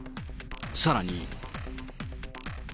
さらに。